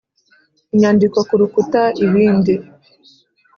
inyandiko ku rukuta ibindi